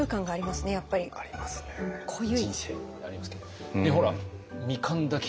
人生でありますけれども。